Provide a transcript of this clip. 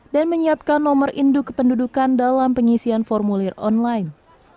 dan menyiapkan nomor induk pendudukan dalam pengisian formulir online